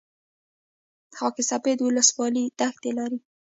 خاک سفید ولسوالۍ دښتې لري؟